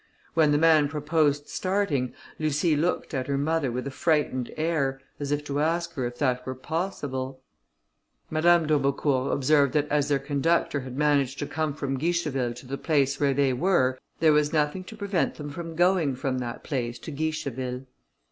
When the man proposed starting, Lucie looked at her mother with a frightened air, as if to ask her if that were possible. Madame d'Aubecourt observed that as their conductor had managed to come from Guicheville to the place where they were, there was nothing to prevent them from going from that place to Guicheville.